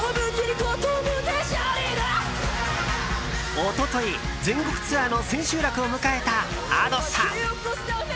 一昨日、全国ツアーの千秋楽を迎えたＡｄｏさん。